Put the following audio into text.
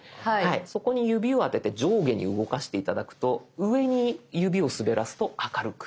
そこに指を当てて上下に動かして頂くと上に指を滑らすと明るく。